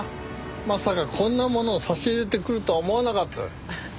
まさかこんなものを差し入れてくるとは思わなかったよ。